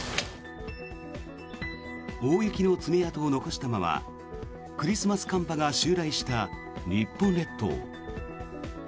大雪の爪痕を残したままクリスマス寒波が襲来した日本列島。